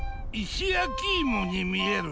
石焼き芋に見える。